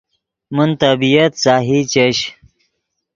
من طبیعت سہی چش